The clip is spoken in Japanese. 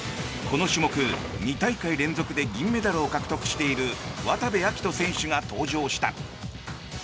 この種目、２大会連続で銀メダルを獲得している渡部暁斗選手が登場した。